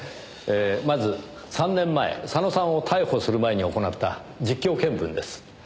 まず３年前佐野さんを逮捕する前に行った実況見分です。